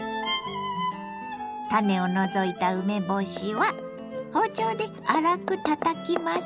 種を除いた梅干しは包丁で粗くたたきます。